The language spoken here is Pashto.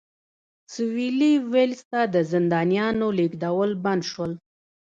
سوېلي ویلز ته د زندانیانو لېږدول بند شول.